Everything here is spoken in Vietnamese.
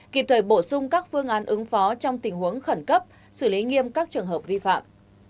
kịp thời bổ sung các phương án ứng phó trong tình huống khẩn cấp xử lý nghiêm các trường hợp vi phạm